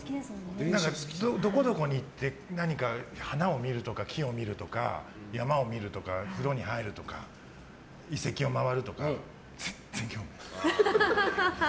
どこどこに行って何か花を見るとか木を見るとか山を見るとか、風呂に入るとか遺跡を回るとか全然興味ない。